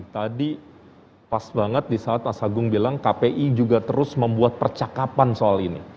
tadi pas banget di saat mas agung bilang kpi juga terus membuat percakapan soal ini